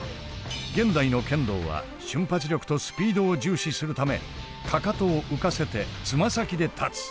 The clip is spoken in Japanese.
現代の剣道は瞬発力とスピードを重視するためかかとを浮かせてつま先で立つ。